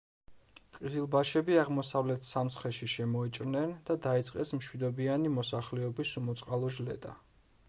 ყიზილბაშები აღმოსავლეთ სამცხეში შემოიჭრნენ და დაიწყეს მშვიდობიანი მოსახლეობის უმოწყალო ჟლეტა.